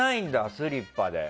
スリッパで。